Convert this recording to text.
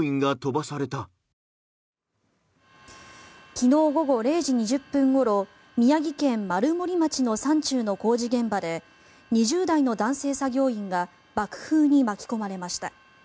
昨日午後０時２０分ごろ宮城県丸森町の山中の工事現場で２０代の男性作業員が爆風に巻き込まれました。